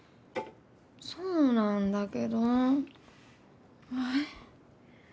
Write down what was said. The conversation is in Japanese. そうなんだけどはぁ。